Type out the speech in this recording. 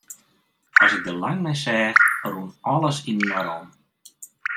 As ik der lang nei seach, rûn alles yninoar om.